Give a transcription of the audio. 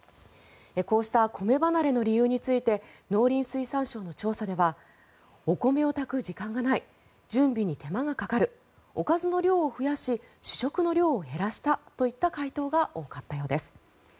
こうした米離れの理由について農林水産省の調査ではお米を炊く時間がない準備に手間がかかるおかずの量を増やし主食の量を減らしたといった回答が多かったようです。